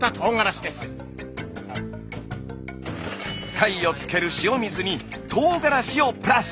貝を漬ける塩水にとうがらしをプラス。